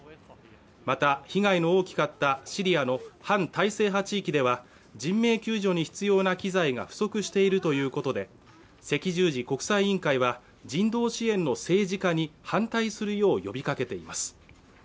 また被害の大きかったシリアの反体制派地域では人命救助に必要な機材が不足しているということで赤十字国際委員会は人道支援の政治化に反対するよう呼びかけています